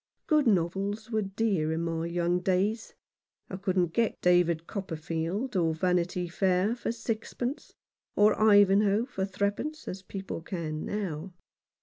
Good novels were dear in my young days. I couldn't get "David Copperfield" or "Vanity Fair" for six pence, or "Ivanhoe" for threepence, as people can now.